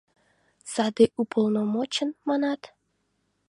Саде уполномочын, манат?